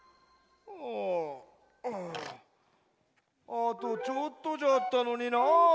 あとちょっとじゃったのにな。